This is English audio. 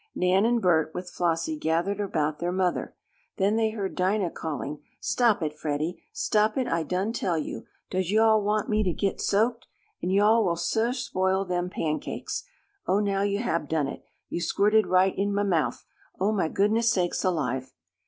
Nan and Bert, with Flossie, gathered about their mother. Then they heard Dinah calling: "Stop it, Freddie! Stop it I done tell you! Does yo' all want me t' git soaked? An' yo' all will suah spoil them pancakes! Oh, now yo' hab done it! Yo' squirted right in mah mouf! Oh mah goodness sakes alive!"